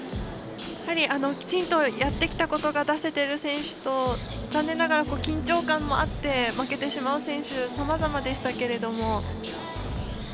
やはり、きちんとやってきたことが出せている選手と残念ながら緊張感もあって負けてしまう選手さまざまでしたけれども。